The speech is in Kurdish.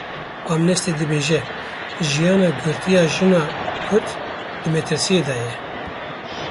Amnesty dibêje; jiyana girtiya jin a kurd di metirsiyê de ye.